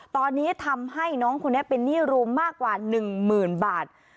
ตอนนี้ทำให้น้องคนนี้เป็นหนี้รวมมากกว่า๑หมื่นบาท